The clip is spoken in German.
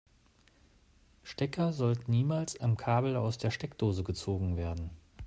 Stecker sollten niemals am Kabel aus der Steckdose gezogen werden.